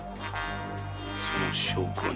その証拠に。